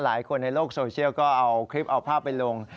หลายคนในโลกโซเชียลก็เอาคลิปเอาภาพไปลง